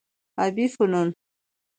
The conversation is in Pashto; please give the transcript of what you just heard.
ابي فنون